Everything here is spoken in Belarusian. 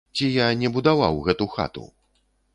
Ці я не будаваў гэту хату?